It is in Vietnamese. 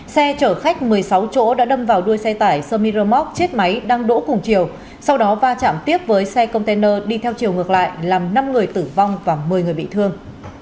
xe chở khách một mươi sáu chỗ đã đâm vào đuôi xe tải sermi rơm móc chết máy đang đỗ cùng chiều sau đó va chạm tiếp với xe container đi theo chiều ngược lại làm năm người tử vong và một mươi người bị thương